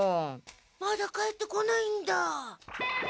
まだ帰ってこないんだ。